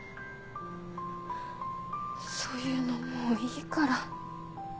そういうのもういいから。